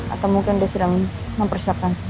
atau mungkin dia sedang mempersiapkan